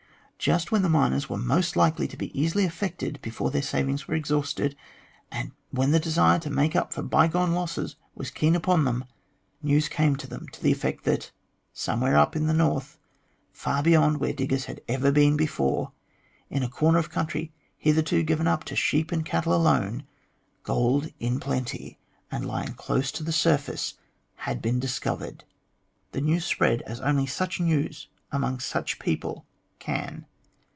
Just when the miners were most likely to be easily affected, before their savings were exhausted, and when the desire to make up for bygone losses was keen upon them, news came to the effect that somewhere up in the North, far beyond where diggers had ever been before, in a corner of the country hitherto given up to sheep and cattle alone, gold in plenty, and lying close to the surface, had been discovered. The news spread as only such news among such a people can.